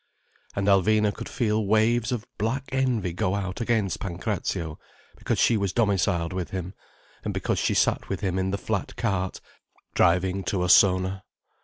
And Alvina could feel waves of black envy go out against Pancrazio, because she was domiciled with him, and because she sat with him in the flat cart, driving to Ossona.